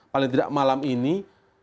paling tidak malam ini